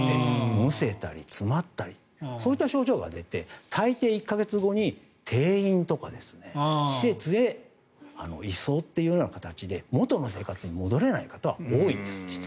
むせたり詰まったりそういった症状が出てたいてい、１か月後に転院とか施設へ移送という形で元の生活に戻れない方が多いんです。